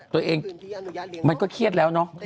ตัวเองมันก็เครียดแล้วเนอะ